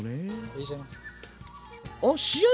入れちゃいます。